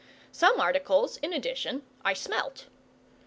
Some articles, in addition, I smelt.